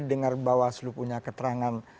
dengar bawaslu punya keterangan